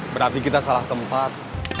berarti kita salah tempat